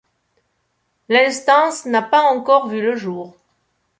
L'instance n'a encore pas vu le jour.